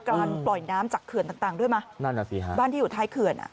การปล่อยน้ำจากเขื่อนต่างด้วยมาบ้านที่อยู่ใต้เขื่อน